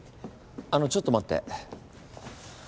あのちょっと待って。